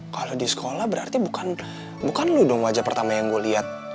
kalau di sekolah berarti bukan lu dong wajah pertama yang gue liat